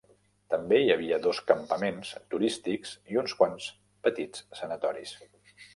També hi havia dos campaments turístics i uns quants petits sanatoris.